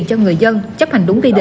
có nguy cơ sạt lỡ